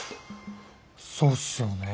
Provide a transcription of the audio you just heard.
そうっすよね。